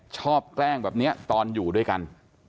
แกล้งแบบนี้ตอนอยู่ด้วยกัน